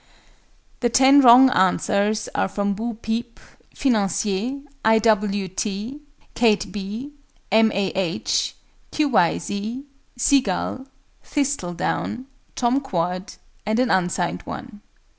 The 10 wrong answers are from BO PEEP, FINANCIER, I. W. T., KATE B., M. A. H., Q. Y. Z., SEA GULL, THISTLEDOWN, TOM QUAD, and an unsigned one.